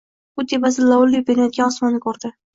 U tepasida lovullab yonayotgan osmonni ko’rdi.